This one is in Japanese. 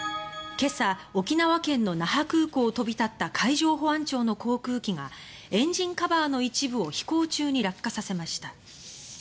今朝、沖縄県の那覇空港を飛び立った海上保安庁の航空機がエンジンカバーの一部を飛行中に落下させました。